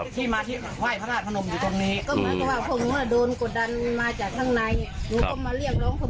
ถ้าเกิดเข้ามาเจรจาบอกว่าจะหาที่ให้ผู้หนูก็จะออก